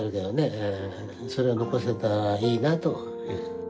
それを残せたらいいなという。